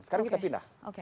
sekarang kita pindah